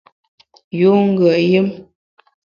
Yun ngùet yùm !